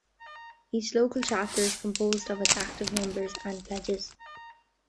Each local chapter is composed of its active members and pledges.